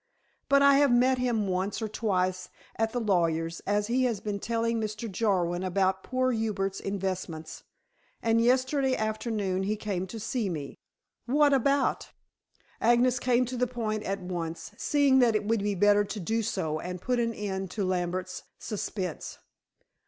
But I have met him once or twice at the lawyers, as he has been telling Mr. Jarwin about poor Hubert's investments. And yesterday afternoon he came to see me." "What about?" Agnes came to the point at once, seeing that it would be better to do so, and put an end to Lambert's suspense.